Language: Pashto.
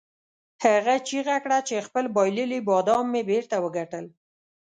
هغه چیغه کړه چې خپل بایللي بادام مې بیرته وګټل.